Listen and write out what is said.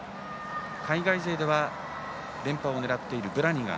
海外勢では連覇を狙っているブラニガン